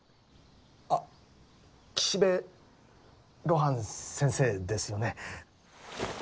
あっ岸辺露伴先生ですよね。